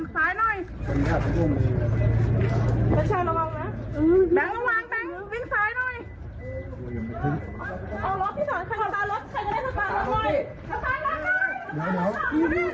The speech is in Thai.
ใครก็ตาลดใครก็ได้ตาลด